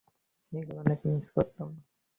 এগুলো অনেক মিস করতাম।